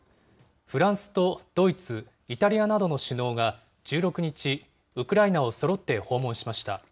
フランスとドイツ、イタリアなどの首脳が１６日、ウクライナをそろって訪問しました。